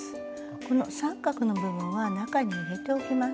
この三角の部分は中に入れておきます。